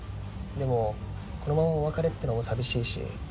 でもこのままお別れっていうのも寂しいし。